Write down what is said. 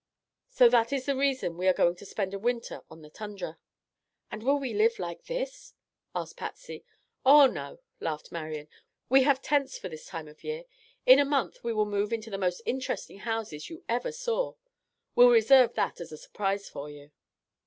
So that is the reason we are going to spend a winter on the tundra." "And will we live like this?" asked Patsy. "Oh, no!" laughed Marian. "We have tents for this time of year. In a month we will move into the most interesting houses you ever saw. We'll reserve that as a surprise for you."